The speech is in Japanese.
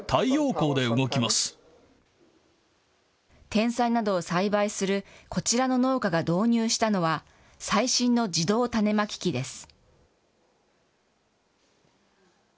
てんさいなどを栽培する、こちらの農家が導入したのは、最新の自動種まき機です。